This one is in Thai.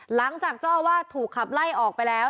หลังจากเจ้าอาวาสถูกขับไล่ออกไปแล้ว